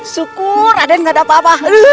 syukur raden gak ada apa apa